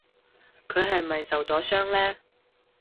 佢係咪受咗傷呢？